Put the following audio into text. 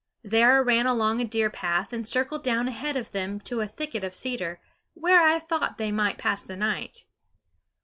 There I ran along a deer path and circled down ahead of them to a thicket of cedar, where I thought they might pass the night.